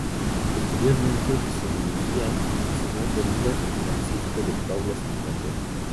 Posteriormente se unirían Simón Bolívar y Francisco de Paula Santander.